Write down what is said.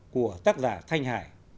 của tác giả thanh hải